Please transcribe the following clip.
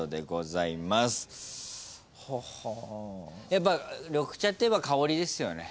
やっぱ緑茶っていえば香りですよね。